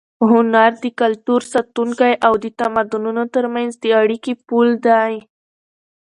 هنر د کلتور ساتونکی او د تمدنونو تر منځ د اړیکې پُل دی.